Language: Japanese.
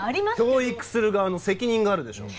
教育する側の責任があるでしょう。